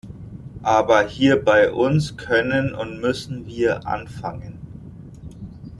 Aber hier bei uns können und müssen wir anfangen!